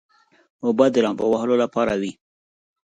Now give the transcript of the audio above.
اوبه د لامبو وهلو لپاره وي.